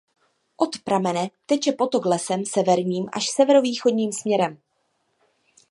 Od pramene teče potok lesem severním až severovýchodním směrem.